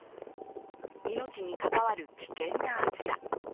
命に関わる危険な暑さ。